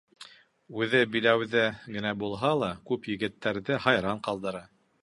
Үҙе биләүҙә генә булһа ла, күп егеттәрҙе хайран ҡалдыра!..